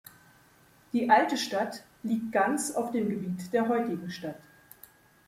Die alte Stadt liegt ganz auf dem Gebiet der heutigen Stadt.